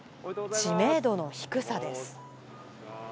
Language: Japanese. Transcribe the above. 知名度の低さです。